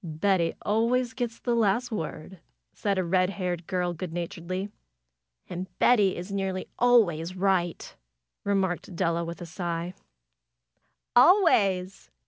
"Betty always gets the last word," said a red haired girl, good naturedly. "And Betty is nearly always right!" remarked Della with a sigh. "Always!"